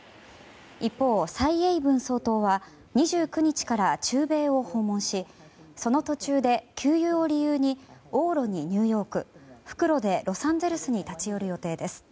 一方、蔡英文総統は２９日から中米を訪問しその途中で給油を理由に往路にニューヨーク復路でロサンゼルスに立ち寄る予定です。